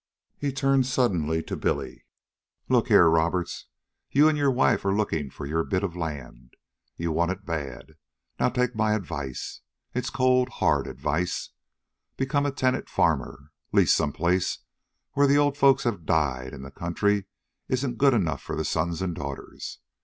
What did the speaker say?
He turned suddenly on Billy. "Look here, Roberts. You and your wife are looking for your bit of land. You want it bad. Now take my advice. It's cold, hard advice. Become a tenant farmer. Lease some place, where the old folks have died and the country isn't good enough for the sons and daughters.